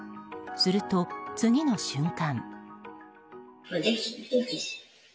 すると、次の瞬間。